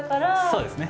そうですね。